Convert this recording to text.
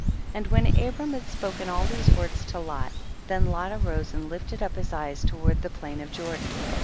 44. And when Abram had spoken all these words to Lot, then Lot arose and lifted up his eyes toward the plain of Jordan.